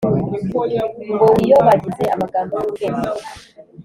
ngo wiyobagize amagambo y’ubwenge